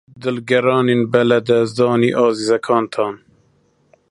دڵگرانین بە لەدەستدانی ئازیزەکەتان.